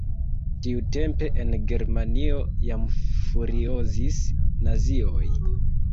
Tiutempe en Germanio jam furiozis nazioj.